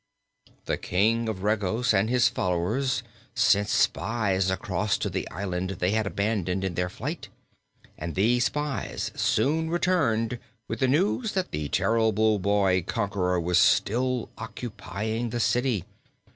The King of Regos and his followers sent spies across to the island they had abandoned in their flight, and these spies returned with the news that the terrible boy conqueror was still occupying the city.